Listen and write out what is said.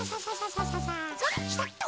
それひたっと。